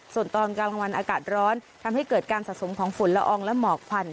ส่วนตอนกลางวันอากาศร้อนทำให้เกิดการสะสมของฝุ่นละอองและหมอกควัน